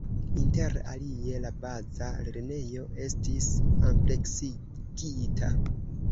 Inter alie, la baza lernejo estis ampleksigita.